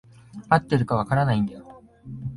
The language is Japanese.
合ってるか分からないんだよ。